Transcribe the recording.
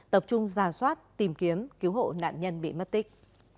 tập trung giả soát tìm kiếm cứu hộ nạn nhân bị mất tích